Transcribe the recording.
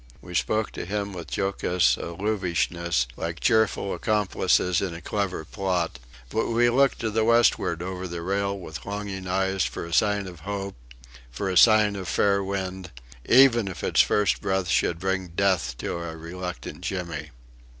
We spoke to him with jocose allusiveness, like cheerful accomplices in a clever plot; but we looked to the westward over the rail with longing eyes for a sign of hope, for a sign of fair wind; even if its first breath should bring death to our reluctant Jimmy.